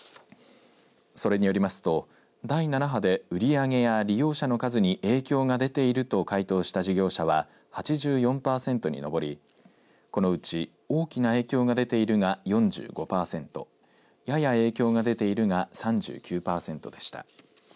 それによりますと、第７波で売り上げや利用者の数に影響が出ていると回答した事業者は８４パーセントに上りこのうち大きな影響が出ているが４５パーセントやや影響が出ているが３９パーセントでした。